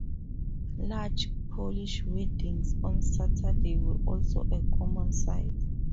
Large Polish weddings on Saturdays were also a common sight.